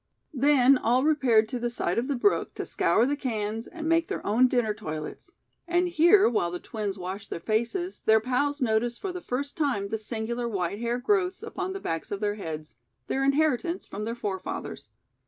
Then all repaired to the side of the brook to scour the cans and make their own dinner toilets, and here, while the twins washed their faces, their pals noticed for the first time the singular white hair growths upon the backs of their heads, their inheritance from their forefathers.